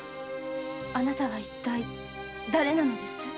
あなたは一体だれなのです？